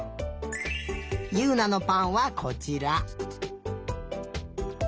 ゆうなのぱんはこちら。